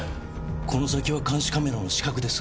この先は監視カメラの死角です。